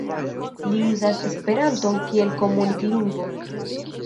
Li uzas esperanton kiel komunik-lingvo.